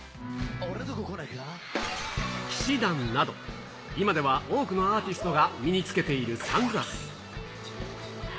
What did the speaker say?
氣志團など、今では多くのアーティストが身につけているサングラス。